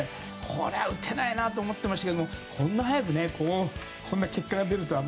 これは打てないなと思ってましたけどこんなに早くこんな結果が出るとは。